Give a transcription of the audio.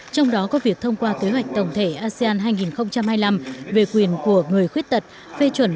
trong đó có việc thông qua kế hoạch tổng thể asean hai nghìn hai mươi năm về quyền của người khuyết tật phê chuẩn